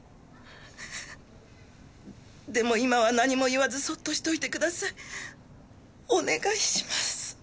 でも今は何も言わずそっとしておいてください。お願いします！